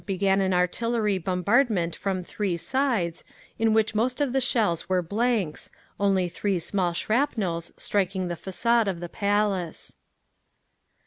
began an artillery bombardment from three sides, in which most of the shells were blanks, only three small shrapnels striking the façade of the Palace…. 2.